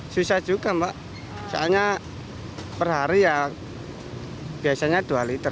susah juga mbak soalnya per hari ya biasanya dua liter